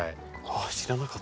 知らなかった。